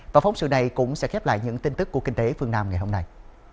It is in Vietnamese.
và phóng sự này cũng sẽ khép lại những tin tức của kinh tế phương nam ngày hôm nay